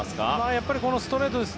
やっぱりストレートです。